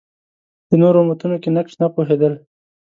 د نورو امتونو کې نقش نه پوهېدل